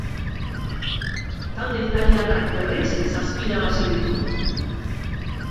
Talde italiarrak, berriz, zazpi irabazi ditu.